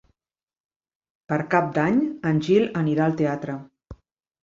Per Cap d'Any en Gil anirà al teatre.